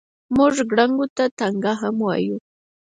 موږ ګړنګو ته ټنګه هم وایو.